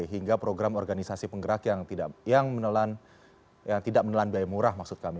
hingga program organisasi penggerak yang tidak menelan biaya murah maksud kami